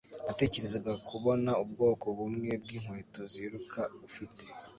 natekerezaga kubona ubwoko bumwe bwinkweto ziruka ufite